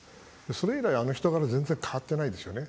それ以来、あの人柄全然変わってないですよね。